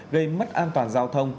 gây mất an toàn giao thông